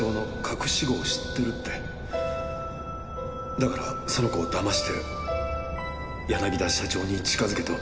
だからその子をだまして柳田社長に近づけと。